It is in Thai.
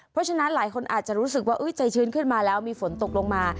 เพราะฉะนั้นหลายคนอาจจะรู้สึกว่าใจชื้นขึ้นมาแล้วมีฝนตกลงมา